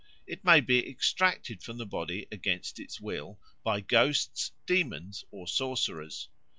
It may be extracted from the body against its will by ghosts, demons, or sorcerers.